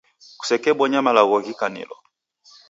Kusekebonya malagho ghikanilo.